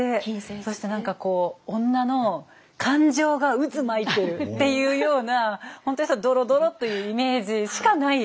そして何かこう女の感情が渦巻いてるっていうような本当にドロドロというイメージしかない。